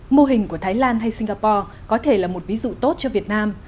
mô hình của thái lan hay singapore có thể là một ví dụ tốt cho việt nam